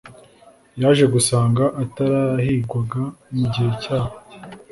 yaje gusanga atarahigwaga mu gihe cyabo